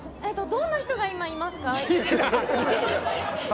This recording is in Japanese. どんな人が今、いますか？